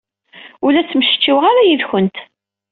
Ur la ttmecčiweɣ ara yid-went.